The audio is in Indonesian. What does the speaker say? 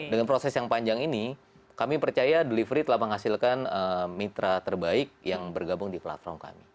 dengan proses yang panjang ini kami percaya delivery telah menghasilkan mitra terbaik yang bergabung di platform kami